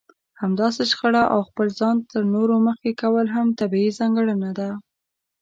همداسې شخړه او خپل ځان تر نورو مخکې کول هم طبيعي ځانګړنه ده.